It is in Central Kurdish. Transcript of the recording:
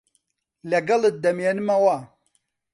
لەگەڵت دەمێنمەوە.